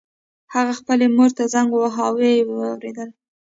هغه خپلې مور ته زنګ وواهه او ويې واورېده.